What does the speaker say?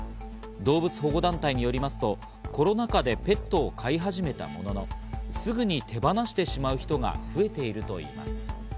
動物保護団体よりますと、コロナ禍でペットを飼い始めたものの、すぐに手放してしまう人が増えているといいます。